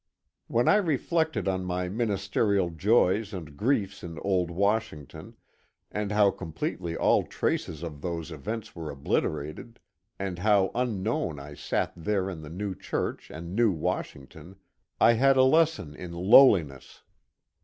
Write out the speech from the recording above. When I reflected on my ministerial joys and griefs in old Washington, and how completely all traces of those events were obliterated, and how unknown I sat there in the new church and new Washington, I had a lesson in lowliness.